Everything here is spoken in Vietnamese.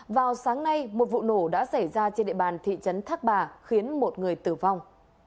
vào sáng nay một vụ nổ đã xảy ra trên địa bàn thị trấn thác bà khiến một người tử vong